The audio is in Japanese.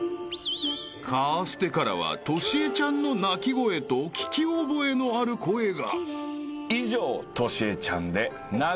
［カーステからはトシエちゃんの鳴き声と聞き覚えのある声が］